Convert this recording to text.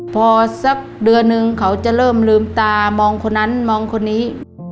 พอสักเดือนนึงเขาจะเริ่มลืมตามองคนนั้นมองคนนี้